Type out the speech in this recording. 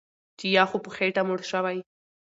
چې یا خو په خېټه موړ شوی